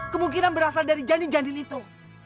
kemungkinan berasal dari janin janin itu